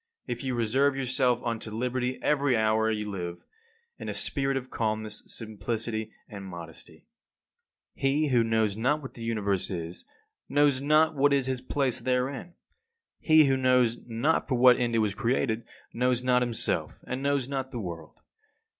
If you reserve yourself unto liberty every hour you live, in a spirit of calmness, simplicity, and modesty. 52. He who knows not what the Universe is knows not what is his place therein. He who knows not for what end it was created, knows not himself and knows not the world.